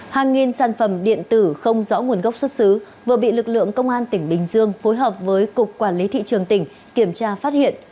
hàng nghìn sản phẩm điện tử không rõ nguồn gốc xuất xứ vừa bị lực lượng công an tỉnh bình dương phối hợp với cục quản lý thị trường tỉnh kiểm tra phát hiện